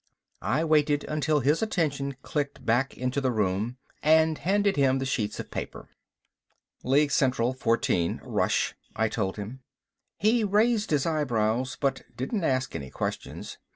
I waited until his attention clicked back into the room, and handed him the sheets of paper. "League Central 14 rush," I told him. He raised his eyebrows, but didn't ask any questions.